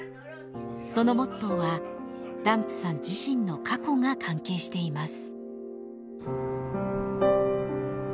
そのモットーはダンプさん自身の過去が関係しています。